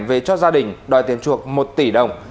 về cho gia đình đòi tiền chuộc một tỷ đồng